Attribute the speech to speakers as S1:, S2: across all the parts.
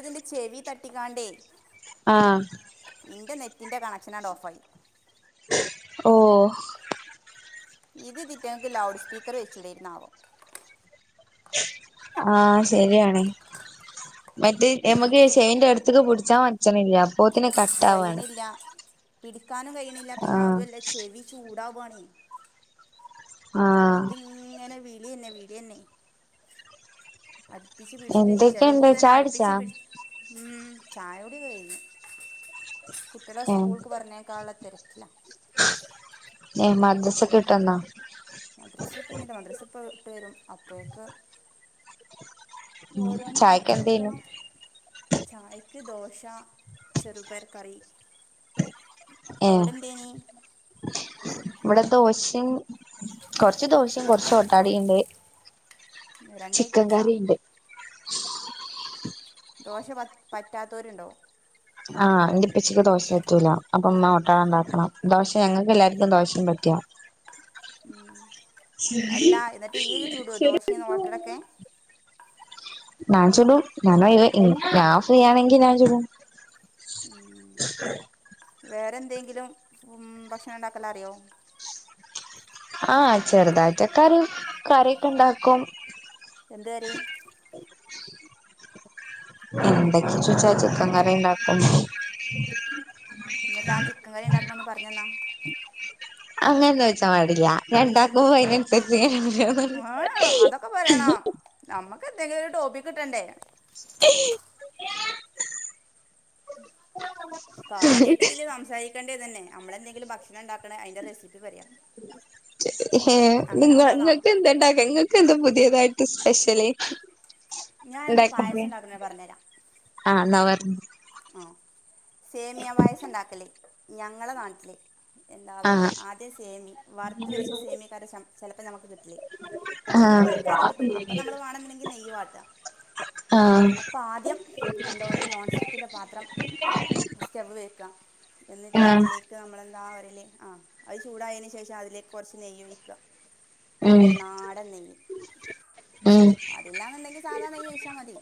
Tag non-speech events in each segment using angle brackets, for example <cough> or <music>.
S1: ഇതിന്റെ ചെവി തട്ടിക്കാണ്ടേ
S2: ആഹ്
S1: എന്റെ നെറ്റിന്റെ കണക്ഷൻ അങ്ങ് ഓഫായി
S2: ഓഹ്
S1: ഇത് ഇതിറ്റങ്ങക്ക് ലൗഡ് സ്പീക്കർ വെച്ചുടെയിരുന്നോ ആവോ
S2: ആഹ് ശരിയണേ മറ്റേ എമ്മക്ക്
S1: ഇത്
S2: ചെവിന്റെ അടു ത്തക്ക് പുടിച്ചാൻ പറ്റണ് ഇല്ല അപ്പോത്തിന് കട്ടാവാണ്
S1: കഴിയണില്ല പിടിക്കാനും കഴിയണില്ല പിന്നെ
S2: ആഹ്
S1: അതുമല്ല ചെവി ചൂടാവു ആണേ
S2: ആഹ്
S1: ഇത് ഇങ്ങനെ വിളിയെന്നെ വളിയെന്നെ അടുപ്പിച്ച് പിടിച്ചിട്ട്
S2: എന്തൊക്കെയുണ്ട്
S1: ചേലോൽക്ക് തന്നെ
S2: ചായ കുടിച്ചാ
S1: അടുപ്പിച്ച് പിടി ഉം ചായോടി ഒക്കെ കയ്ഞ്ഞു കുട്ടിയളെ
S2: ഏഹ്
S1: സ്കൂൾക്ക് പറഞ്ഞേ ക്കാള്ള തിരക്കില
S2: ഏ മദ്രസ് ഒക്കെ വിട്ടു വന്നാ
S1: മദ്രസ വിട്ടു വന്നില്ല മദ്രസ ഇപ്പോ വിട്ടു വരും അപ്പോഴേക്ക്
S2: ഉം ചായക്ക്
S1: ഓരോന്നാക്കി
S2: എന്തേനും?
S1: വെക്കണം ചായക്ക് ദോശ ചെറുപയർ കറി
S2: ഏഹ്
S1: അവിടന്തേനീ?
S2: ഇവിടെ ദോശയും കൊർച്ച്‌ ദോശയും കൊർച്ച്‌ ഓട്ടടയും ഉണ്ട്.
S1: ഇന്ന് രണ്ട് ഐറ്റംസാ ദോശ പറ്റ് പറ്റാത്തവരുണ്ടോ?
S2: ആഹ് എന്റിപ്പച്ചിക്ക് ദോശ പറ്റൂല അപ്പം ഓട്ടട ഉണ്ടാക്കണം. ദോശ ഞങ്ങൾക്ക് എല്ലാർക്കും ദോശേം പറ്റാ
S1: ഉം അല്ല എന്നിട്ട് ഇയ്യ് ചൂടുവോ ദോശയും ഓട്ടടൊക്കെ?
S2: ഞാൻ ചൊല്ലും ഞൻ ഞാൻ ഫ്രീ ആണെങ്കിൽ ഞാൻ ചൊല്ലും
S1: ഉം വേറെ എന്തേങ്കിലും ഉം ഭക്ഷണം ഉണ്ടാക്കലറിയോ?
S2: ആഹ് ചെറുതായിട്ടൊക്കെ അറിയും കറിയൊക്കെ ഇണ്ടാക്കും.
S1: എന്ത് കറി?
S2: എന്തെക്കെ ചോച്ചാ ചിക്കൻകറി ഇണ്ടാക്കും
S1: എന്നാ താൻ ചിക്കൻ കറി ഇണ്ടാക്കണോന്ന് പറഞ്ഞന്നാ
S2: അങ്ങനെ ചോയിച്ചാൻ പാടില്ല ഞാൻ ഇണ്ടാക്കൂ അയിനൻസര്ച്ച് <unintelligible>
S1: അമ്മക്ക് എന്തേലും ഒരു ടോപ്പിക് കിട്ടണ്ടേ കാര്യായ്ട്ട് ഇതില് സംസാരി ക്കെണ്ട്യ തന്നെ നമ്മളെന്തെിലും ഭക്ഷണം ഇണ്ടാക്കണെ അതിന്റെ റെസിപ്പി പറയാ
S2: ഹേ നിങ്ങ
S1: ആകുമ്പോൾ നാം
S2: നിങ്ങക്ക് എന്തണ്ടാക്ക ഇങ്ങക് ക്കെന്താ പുതിയതായിട്ട് സ്പെഷ്യല്
S1: ഞാ അനക്ക്
S2: ഉണ്ടാക്കല്
S1: പായസം ഇണ്ടാക്കുന്നത് പറഞ്ഞേരാ
S2: ആഹ് എന്നാ പർഞ്ഞ്
S1: ആഹ് സേമിയ പായസം ഇണ്ടാക്കല് ഞങ്ങളെ നാട്ടില് എന്താ
S2: ആഹ്
S1: പറയില്ലേ ആദ്യം സേമി വറുത്ത് വെച്ച സേമിക്കാരെ ചിലപ്പോൾ നമുക്ക് കിട്ടില്ലേ ചിലത്
S2: ആഹ്
S1: വറക്കാതെ കിട്ടും അപ്പൊ നമ്മള് വേണന്നുണ്ടെങ്കിൽ നെയ്യ് വാട്ടുവാ
S2: ആഹ് ആഹ്
S1: അപ്പൊ ആദ്യം എന്താ ഒരു നോൺസ്റ്റിക് മാത്രം സ്റ്റെപ്പ് വെക്കുക എന്നിട്ട് അതിലേക്ക് നമ്മളെന്താല ആഹ് അത് ചൂടായേന് ശേഷം അതിലേക്ക് കുറച്ച് നെയ്യൊഴിക്കുക നല്ല നാടൻ നെയ്യ്
S2: ഉം ഉം
S1: അല്ലെന്നുണ്ടെങ്കിൽ സാദാ നെയ്യ് ഒഴിച്ചാൽ മതി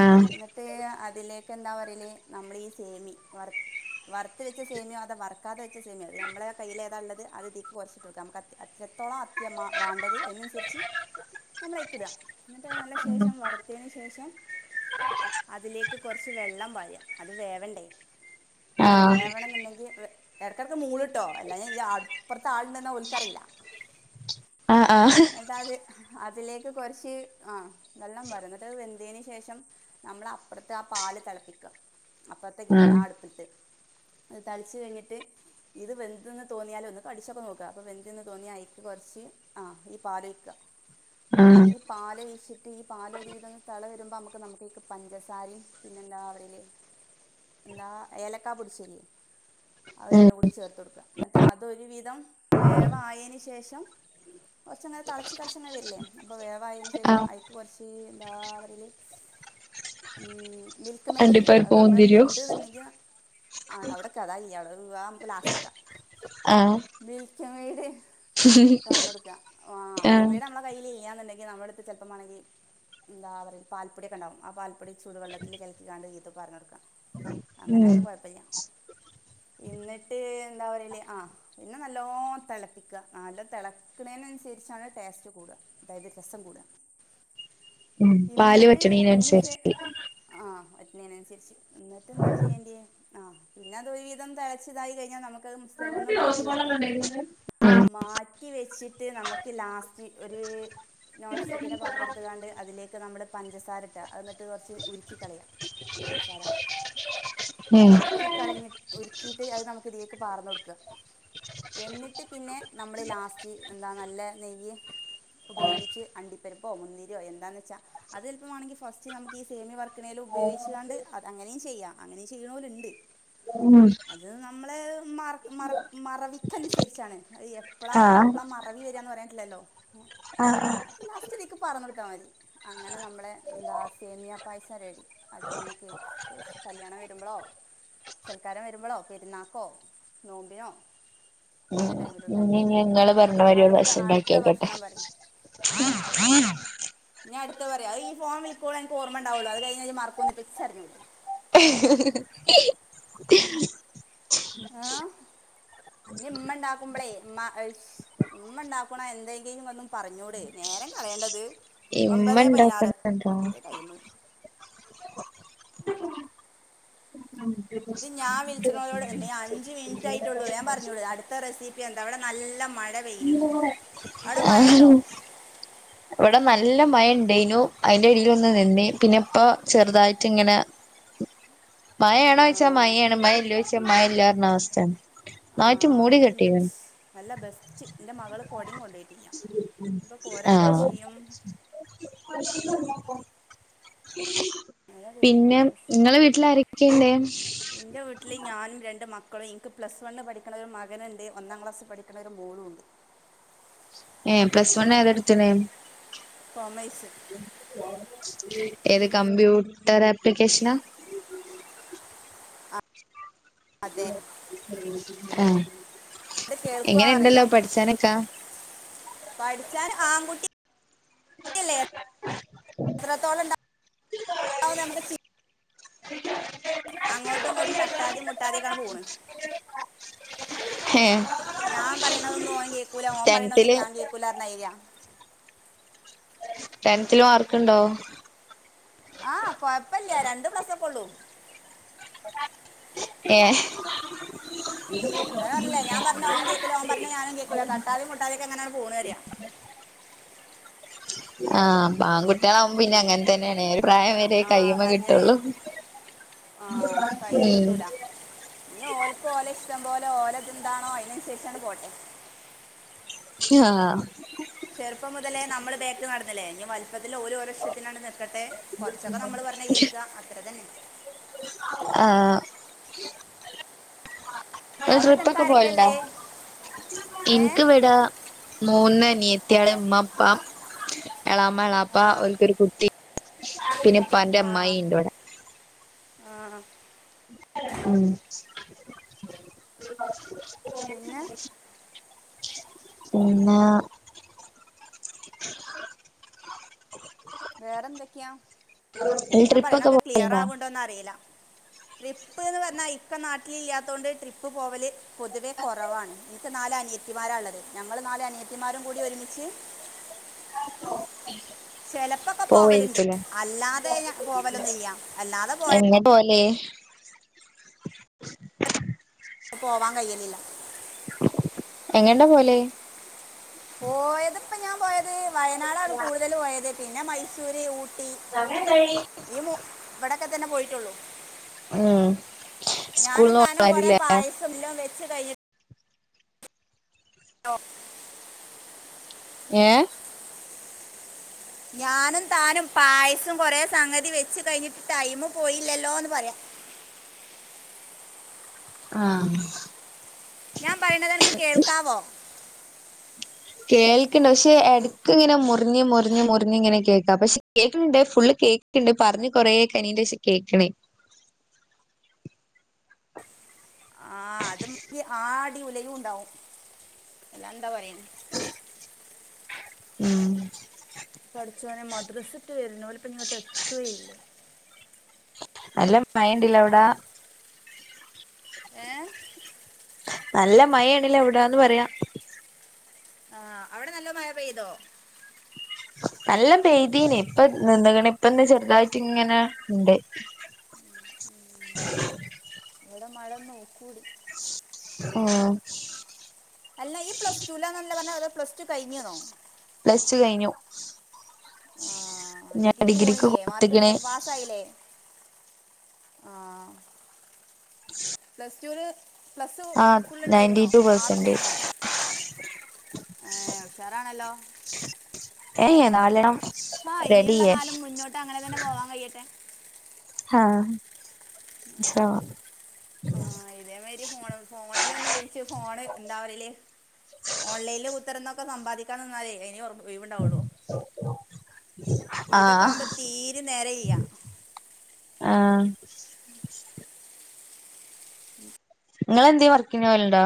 S2: ആഹ്
S1: എന്നിട്ട് അതിലേക്ക് എന്താ പറയണേ നമ്മളീ സേമി വറ വറുത്തു വെച്ച സേമിയോ അതോ വറു എടുക്കാതെ വെച്ച സേമിയ അത് നമ്മുടെ കയ്യില് എതാ ഉള്ളത് അത് ഇതീക്ക് കൊച്ചിട്ട് കൊ നമുക്ക് അത്രത്തോളം അത്യ വേണ്ടത് അതിനനുസരിച്ച് നമ്മള് അയിലേക്ക് ഇടുക എന്നിട്ട് നല്ല ശേഷം വറുത്തതിന് ശേഷം അതിലേക്ക് കൊറച്ച് വെള്ളം പാഴം അത് വേവണ്ടേ
S2: ആഹ്
S1: വേവണംഎന്നുണ്ടെങ്കിൽ ഇടക്കിടക്ക് മൂളിട്ടോ എല്ലാ ഞ ഈ അപ്പുറത്ത് ആള് ഉണ്ടെന്ന് ഓനക്ക് അറിയില്ല
S2: ആഹ് ആഹ്
S1: എന്നിട്ട് അത് അതിലേക്ക് കുറച്ച് ആഹ് വെള്ളം കോര് വെന്തതിനു ശേഷം നമ്മള് അപ്പുറത്തെ ആഹ് പാല് തിളപ്പിക്കുക അപ്പുറത്തെ
S2: ഉം
S1: ആഹ് അടുപ്പിലത്തെ അത് തെളച്ചു കഴിഞ്ഞിട്ട് ഇത് വെന്തെന്ന് തോന്നിയാൽ ഒന്ന് കടിച്ചൊക്കെ നോക്കുക അപ്പൊ വെന്തെന്നു തോന്നിയാൽ അതീക്ക് കുറച്ച് ആഹ് ഈ പാല് ഒഴിക്കുക
S2: ഉം
S1: ഈ പാല് ഒഴിച്ചിട്ട് ഈ പാല് ഒരുവിധം തെളവരുമ്പോൾ നമുക്ക് അതിലേക്ക് ഇച്ചിരി പഞ്ചസാരയും പിന്നെന്താ പറയുന്നത് എന്താ ഏലക്കാ പൊടിച്ചതില്ലേ അവ
S2: ഉം
S1: രണ്ടും കൂടി ചേർത്ത് കൊടുക്കുക എന്നിട്ട് അതൊരു വിധം വേവ് ആയതിന് ശേഷം കുറച്ചങ്ങനെ തെളച്ച് തെളച്ചങ്ങ് വരില്ലേ അപ്പൊ വേവായതിന് ശേഷം
S2: ആഹ്
S1: അയിലേക്ക് കുറച്ച് എന്താ പറേല് ഉം മിൽക്ക് മേഡ് ഇല്ലേ അത്
S2: അണ്ടിപ്പരിപ്പ്
S1: നമ്മളെ അടുത്ത്
S2: മുന്തിരിയോ
S1: ഉണ്ട് എന്നുണ്ടെങ്കിൽ ആഹ് അവിടൊക്കെ അതാ ഇല്ല അത് നമുക്ക് ലാസ്റ്റിക്കാം
S2: ഉം
S1: മിൽക്ക്മേയിട് പറഞ്ഞൊടുക്ക ആഹ് മിൽക്ക്മേയിട് നമ്മള കയ്യില്ലില്ല്യാന്നുണ്ടെങ്കിൽ നമ്മുടെടുത്ത് ചെലപ്പം വേണെങ്കിൽ എന്താ പറ പാൽപ്പൊടിയൊക്കെയുണ്ടാവും ആഹ് പാൽപ്പൊടി ചൂടുവെള്ളത്തിൽ കലക്കികാണ്ട് ഇത് പറഞ്ഞ് കൊടുക്കാ അങ്ങനെ
S2: ഉം
S1: ആയാലും കുഴപ്പില്ല എന്ന്ട്ട് എന്താ പറേല് ആഹ് പിന്നെ നല്ലോണം തിളപ്പിക്കുക നല്ല തിളക്കുന്നതിനനുസരിച്ചാണ് ടേസ്റ്റ് കൂടുക അതായത് രസം കൂടുക
S2: ഉ പാല് വറ്റണേനനുസരിച്ച്
S1: ആഹ് വറ്റണേനനുസരിച്ച് എന്നിട്ട് എന്താ ചെയ്യണ്ടേ ആഹ് പിന്നെ അതൊരു വിധം തിളച്ചിതായി കഴിഞ്ഞാൽ നമുക്ക്ത് സ്റ്റവ്ന്ന് മാ
S2: <unintelligible>
S1: മാറ്റി വെച്ചിട്ട് നമുക്ക് ലാസ്റ്റ് ഒര് നോൺ സ്റ്റിക്കിന്റെ പത്രം എടുത്തുകാണ്ട് അതിലേക്ക് നമ്മള് പഞ്ചസാര ഇടൂക എന്നിട്ട് കുറച്ച് ഉരുക്കി കളയാ
S2: <unintelligible>
S1: ഉരുക്കി കളഞ്ഞി ഉരുക്കീട്ട് അത് നമുക്ക് ഇതിലേക്ക് പകർന്നു കൊടുക്കാ എന്നിട്ട് പിന്നെ നമ്മള് ലാസ്റ്റ് എന്താ നല്ല നെയ്യ് ഉപയോഗിച്ച് അണ്ടിപ്പെരിപ്പോ മുന്തിരിയോ എന്താന്നുവെച്ചാ അത് എളുപ്പമാണെങ്കിൽ ഫസ്റ്റ് നമുക്ക് ഈ സേമിയ വറക്കണേല് ഉപയോഗിച്ചുകാണ്ട് അങ്ങനെയും ചെയ്യാം അങ്ങനെയും ചെയ്യുണോലുണ്ട്
S2: <unintelligible> ഉം
S1: അത് നമ്മള് മറക് മറക് മറവിക്കനുസരിച്ചാണ് അയ് എപ്പളാ ആർക്ക
S2: ആഹ്
S1: എപ്പളാ മറവി വരാന്ന് അറിയില്ലല്ലോ
S2: ആഹ്
S1: അപ്പൊ ലാസ്റ്റ്ക്ക് പറഞ്ഞൊടുത്താ മതി അങ്ങനെ നമ്മളെ എന്താ സേമിയാ പായസം റെഡി അത് നമുക്ക് കല്യാണം വരുമ്പോളോ സൽക്കാരം വരുമ്പളോ പെര്ന്നാക്കോ നോമ്പിനോ ഏത് ടൈമിലൂം ഉണ്ടാകി
S2: ഇനി
S1: ക ക്ക ഇഞ്
S2: ഞങ്ങള്
S1: അടുത്ത
S2: പറഞ്ഞ മാതിരി ഒരു
S1: അടുത്ത
S2: പ്രാവശ്യം
S1: അടുത്ത
S2: ഉണ്ടാക്കിയോക്കട്ടെ
S1: ഭക്ഷണം പറി ആഹ് ഞാ അട്ത്ത പറയാ അ ഈ ഫോൺ വിളിക്കോള അൻക്ക് ഓർമ ഉണ്ടാവൊള്ളൂ അത് കഴഞ്ഞയ്ഞ മർക്കും ന്ന്പ്പൊ ഇചർഞ്ഞൂടെ
S2: ത <unintelligible>
S1: ആഹ് ഇഞ് ഇമ്മണ്ടാക്കുമ്പളേ മ്മ ഇമ്മ ഇണ്ടാക്ക്‌ണ എന്തെങ്കിലും ഒന്നും പർഞ്ഞൂട് നേരം കളയേണ്ടത്
S2: ഇമ്മ
S1: ഒമ്പതെ പഴിനാറ്
S2: ഉണ്ടാക്കുന്നുണ്ടോ
S1: ടൈമ് ഇത്
S2: <unintelligible>
S1: ള്ളൂ വേം പർഞ്ഞൂട് അടുത്ത റെസിപ്പി എന്താ ഇവടെ നല്ല മഴ പെയ്യ്ണ്ട് അവ്ടെ മഴണ്ടോ
S2: ഇവടെ നല്ല മഴ ഇണ്ടേനു അയിന്റെ ഇടിൽലൊന്ന് നിന്നി പിന്നെ ഇപ്പ ചെറുതായിട്ട് ഇങ്ങനെ മയെണോ യ്ച്ചാ
S1: ആ.
S2: മയെണ് മഴല്ലേയ്ച്ച മഴ ഇല്ലാർഞ അവസ്‌തെണ്
S1: ഇന്നാഴിൻ്റെ നല്ല ബെസ്റ്റ് ഇൻ്റെ മകള് കൊടിം കൊണ്ടയ്ട്ടില്ല
S2: ആഹ്
S1: മഴ പെയ്ത്
S2: പിന്നെ ഇങ്ങള വീട്ടിലാരക്കെള്ളെ
S1: ഇന്റെ വീട്ടില് ഞാനും രണ്ട് മക്കളും ഇൻക്ക് പ്ലസ് വണ്ണ് പഠിക്ക്‌ണ ഒരു മകന്ണ്ട് ഒന്നാം ക്ലാസ് പഠിക്ക്‌ണ ഒരു മോളുണ്ട്
S2: ഏ പ്ലസ് വണ്ണ് ഏതാട്ത്ത്ണ്
S1: കോമൈസ്
S2: ഏത് കമ്പ്യൂട്ടർ ആപ്ലിക്കേഷനാ
S1: ആ, അതെ
S2: ആഹ്
S1: ഇത് കേൾക്കൊ അറീല
S2: എങ്ങനെയുണ്ടല്ലോ പഠിച്ചാനൊക്കെ
S1: പഠിച്ചാന് ആങ്കുട്ടി ല്ലെ എത്രത്തോളണ്ട നമ്മക്ക് ചി അങ്ങോട്ടും ഇങ്ങോട്ടും തട്ടാതിം മുട്ടാതിം ഒക്കെ ആണ്ട് പോണ്
S2: ഹേ
S1: ഞാൻ പറയണതൊന്നും ഓൻ കേക്കൂല ഓമ്പറയണതൊന്നും
S2: ടെൻത്തില്
S1: ഞാൻ കേക്കൂലാർഞയ്രിയ
S2: ട്ടെൻത്തില് മാർക്ക്ണ്ടോ
S1: ആഹ് കൊയപ്പല്ല്യാ രണ്ട് പ്ലസ്സൊക്കൊ ഒള്ളൂ
S2: ഏഹ്
S1: അത് പർഞ് ലെ ഞാൻ പർഞ്ഞാ ഓനും കേക്കൂല ഓൻ പർഞ്ഞാ ഞാനും കേക്കൂല തട്ടാതിം മുട്ടാതി ക്കെങ്ങനെങ്ങട് പോണ് പര്യ
S2: ആഹ് ആങ്കുട്ടിയളാവും പിന്നെ അങ്ങൻതന്നെണ് ഒരു പ്രായം വെരേ
S1: ആ
S2: കയ്യ്മേ
S1: പറഞ്ഞ
S2: കെട്ടോള്ളൂ ഉം
S1: ഞ് ഓൽക്ക് ഓലെ ഇഷ്ടം പോലെ ഓലതെന്താണോ അയ്നൻസര്ച്ചങ്ങട്ട് പോട്ടെ
S2: ആഹ്
S1: ചെർപ്പം മുതലേ നമ്മള് ബേക്ക് നട്ന്നി ലെ ഇഞ് വൽപത്തില് ഓരു- ഇഷ്ട്ടത്തിനാണ്ട് നിക്കട്ടെ കൊർച്ചൊക്കെ നമ്മള് പർഞ്ഞ കേക്കാ അത്രതന്നെ
S2: ആഹ് ഇങ്ങള്
S1: അവിടെ നിനക്ക്
S2: ട്രിപ്പൊക്കെ
S1: ആരൊക്കെ
S2: പോവൽണ്ടാ
S1: ഉള്ളേ ഏ
S2: ഇൻക്ക് വ്ടാ മൂന്ന് അനിയത്തിയള് ഇമ്മാ ഇപ്പാ എളാമ എളാ പ്പ
S1: ആ
S2: ഓൽക്കൊരു കുട്ടി പിന്നെപ്പാന്റെ അമ്മായി ഇണ്ട്വ്ടെ
S1: ആഹ്
S2: ഉം
S1: പിന്നെ
S2: പിന്നാ
S1: വേറെന്തൊക്ക്യ
S2: ഇങ്ങള് ട്രിപ്പൊക്കെ
S1: ഞാമ്പറയണൊക്കെ
S2: പോവലുണ്ടോ
S1: ക്ലിയറാവ്ണ്ടോന്നറീല ട്രിപ്പ് ന്ന് പർഞാ ഇക്ക നാട്ടില് ല്ല്യാത്തൊണ്ട് ട്രിപ്പ് പോവല് പൊതുവെ കൊറവാണ് ഇൻക്ക് നാല് അനിയത്തിമാരാള്ളത് ഞങ്ങള് നാല് അനിയത്തിമാരും കൂടി ഒരുമിച്ച്
S2: <unintelligible>
S1: ചെലപ്പൊക്കെ പോവല്ണ്ട്
S2: പോവായിരിക്കുംല്ലേ
S1: അല്ലാതെ ഞാ പോവലൊന്നുല്ല്യാ അല്ലാതെ പോയ
S2: ങ്ങനെ പോവല്
S1: പോവാകയ്യലില്ല
S2: എങ്ങണ്ടാ പോവല്
S1: പോയത് ഇപ്പൊ ഞാമ്പോയത് വയനാടാണ് കൂടുതല് പോയത് പിന്നെ മൈസൂര്, ഊട്ടി ഈ മൂ ഇവിടൊക്കെത്തന്നെ പോയിട്ടൊള്ളു
S2: ഉം സ്കൂൾന്ന് പോണരില്ലേ
S1: ല്ലോം വെച്ച് കയ്ഞ്ഞി <unintelligible>
S2: ഏഹ്
S1: ഞാനും താനും പായസം കൊറേ സംഗതി വെച്ച് കയ്ഞ്ഞ് ടൈമ് പോയില്ലല്ലോന്ന് പറയാ
S2: ആഹ്
S1: ഞാ പറയ്ണതൻക്ക് കേൾക്കാവോ?
S2: കേൾക്ക്ണ്ട് പക്ഷെ എടക്ക് ഇങ്ങനെ മുറിഞ്ഞ് മുറിഞ്ഞ് മുറിഞ്ഞ് ഇങ്ങനെ കേക്കാ പക്ഷെ കേൾക്ക്ണ്ട് ഫുള്ള് കേക്ക്ണ്ട് പറഞ്ഞ് കൊറേ കയിന്റെശ കേക്ക്ണേ
S1: ആഹ് അത് ഉം ക്ക് ആടി ഉലയൂണ്ടാവും അല്ലാന്താ പറയണ്
S2: ഉം
S1: പടച്ചോനെ മദ്രസ്സിട്ട് വരുണോല് പ്പ ങ്ങട്ട് എത്തുല്ലേ
S2: നല്ല മയണ്ട്ല്ലേ അവിടെ
S1: ഏഹ്
S2: നല്ല മഴേണില്ലേ അവിടാന്ന് പറയാ
S1: ആഹ് അവിടെ നല്ല മയ പെയ്തോ
S2: നല്ല പെയ്തീനി ഇപ്പ നിന്ന്ണ് ഇപ്പം ദ്ദേ ചെറുതായിട്ടിങ്ങനെ ഇണ്ട് <inaudible>
S1: ഇവടെ മഴ നോക്കൂടി.
S2: ഉം
S1: അല്ല ഇയ് പ്ലസ്ടുലാന്നല്ല പറഞ്ഞ അതോ പ്ലസ് ടു കയിഞ്ഞ്ന്നോ
S2: പ്ലസ് ടു കഴിഞ്ഞു
S1: ആഹ്
S2: ഞാൻ
S1: ഡിഗ്രിക്ക് പോണില്ലേ മാർക്ക് ഇണ്ട്
S2: കൊടുത്ത്ക്ക്ണ്
S1: പാസ്സായില്ലേ? ആഹ് പ്ലസ് ടുന് പ്ലസ്
S2: ആഹ് നയന്റി
S1: ഫുള്ളുണ്ടായിരുന്നോ
S2: ടു പെർസെന്റേജ്
S1: ആറ്ണ്ടായിരുന്നോ ഏഹ് ഉഷാറാണല്ലോ
S2: ഏഹ് നാലെണ്ണം
S1: ആഹ് ഇനിയുള്ള
S2: റെഡിയെ
S1: കാലം മുന്നോട്ട് അങ്ങനെ തന്നെ പോവാൻ കയ്യട്ടെ
S2: ആഹ് <unintelligible>
S1: ആഹ് ഇതേമാരി ഫോണ് ഫോണിലൊന്നും വിളിച്ചു ഫോണ് എന്താ പറയല് ഓൺലൈൽ കുത്തർന്നൊക്കെ സമ്പാദിക്കാ നിന്നാലേ അയിനെ ഒഴിവുണ്ടാവൊള്ളൂ ഇതൊക്കെ
S2: ആഹ്
S1: ആകുമ്പോ തീരെ നേരയ്യ
S2: ആഹ് ങ്ങളെന്തേം വർക്കിന് പോവൽണ്ടോ